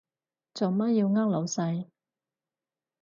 做乜要呃老細？